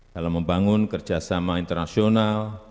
dalam membangun kerjasama internasional